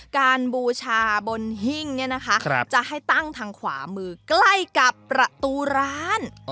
บูชาบนหิ้งเนี่ยนะคะจะให้ตั้งทางขวามือใกล้กับประตูร้าน